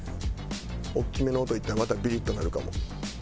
大きめの音いったらまたビリッとなるかも。